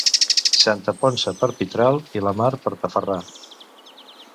Santa Ponça per pitral i la mar per tafarra!